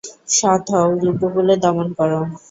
সৎ হও, রিপুগুলি দমন কর।